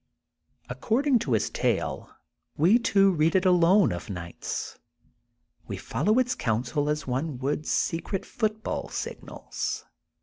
According to his tale, we two read it alone of nights. We follow its counsel as one would secret foot ball signals.